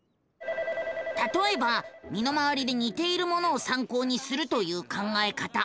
たとえば身の回りでにているものをさんこうにするという考え方。